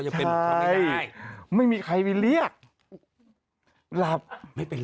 อย่าวิภาควิจารณ์